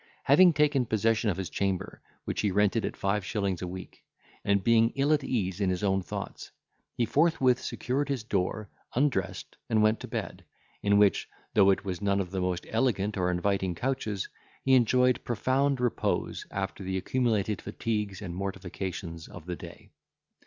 Having taken possession of his chamber, which he rented at five shillings a week, and being ill at ease in his own thoughts, he forthwith secured his door, undressed, and went to bed, in which, though it was none of the most elegant or inviting couches, he enjoyed profound repose after the accumulated fatigues and mortifications of the day.